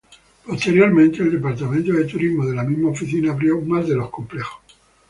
Posteriormente, el departamento de turismo de la misma oficina abrió más de los complejos.